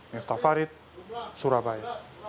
mevta farid surabaya